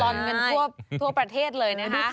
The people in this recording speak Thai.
อนกันทั่วประเทศเลยนะคะ